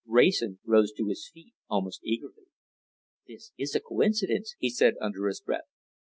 Wrayson rose to his feet almost eagerly. "This is a coincidence," he said under his breath.